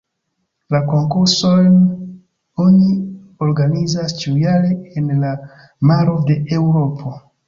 La konkursojn oni organizas ĉiujare en la maro de Eŭropo.